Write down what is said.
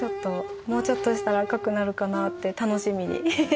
もうちょっとしたら赤くなるかな？って楽しみにしてます。